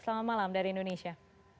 selamat malam dari indonesia